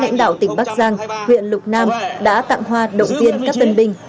lãnh đạo tỉnh bắc giang huyện lục nàng đã tặng hoa động tiên các tân binh